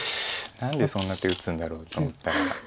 何でそんな手打つんだろうと思ったら。